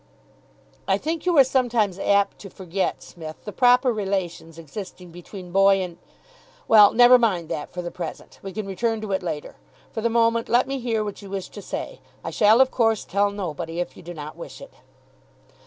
"I think you are sometimes apt to forget, Smith, the proper relations existing between boy and Well, never mind that for the present. We can return to it later. For the moment, let me hear what you wish to say. I shall, of course, tell nobody, if you do not wish it."